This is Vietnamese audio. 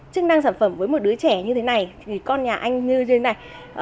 chức năng sản phẩm với một đứa trẻ như thế này thì con nhà anh như thế này